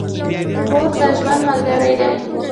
کور د ژوند ملګری دی.